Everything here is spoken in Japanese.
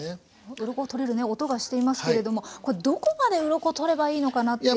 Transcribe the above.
ウロコを取れるね音がしていますけれどもこれどこまでウロコを取ればいいのかなっていう。